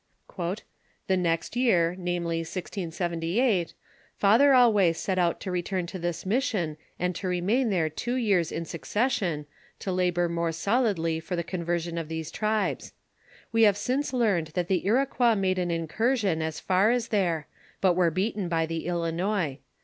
" The next year, namely, 1^78, Father AUouez set out to return to this mission, and to remain there two years in suc cession, to labor more solidly for the conversion of these tribes. We have since learned that the Iroquois made an incursion as far as there, but were beaten by the Ilinois.